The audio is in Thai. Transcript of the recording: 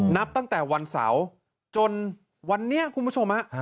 นับตั้งแต่วันเสาร์จนวันนี้คุณผู้ชมฮะ